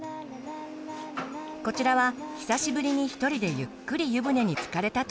こちらは久しぶりに一人でゆっくり湯船につかれたというママ。